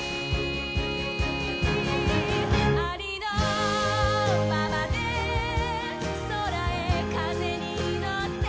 「ありのままで空へ風に乗って」